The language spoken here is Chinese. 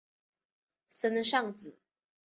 森尚子。